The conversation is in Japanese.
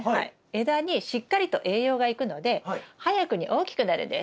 枝にしっかりと栄養がいくので早くに大きくなるんです。